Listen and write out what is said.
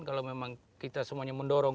kalau memang kita semuanya mendorong